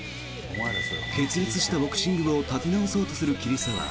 決裂したボクシング部を立て直そうとする桐沢。